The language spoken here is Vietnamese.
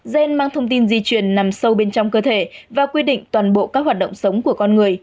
gen mang thông tin di chuyển nằm sâu bên trong cơ thể và quy định toàn bộ các hoạt động sống của con người